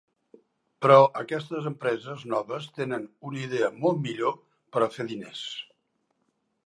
Però aquestes empreses noves tenen una idea molt millor per a fer diners.